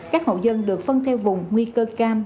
các hộ dân được phân theo vùng nguy cơ cam